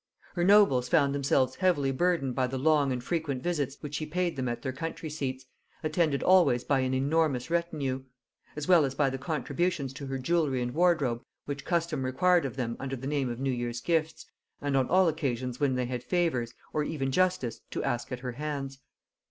Her nobles found themselves heavily burthened by the long and frequent visits which she paid them at their country seats, attended always by an enormous retinue; as well as by the contributions to her jewelry and wardrobe which custom required of them under the name of new year's gifts, and on all occasions when they had favors, or even justice, to ask at her hands.